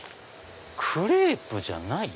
クレープじゃない？